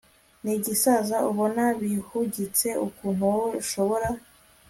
nigisaza ubona bihugitse ukuntu wowe ushobora